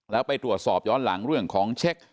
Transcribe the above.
แล้วไปตรวจสอบย้อนหลังเรื่องของเช็ค